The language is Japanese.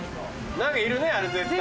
何かいるねあれ絶対。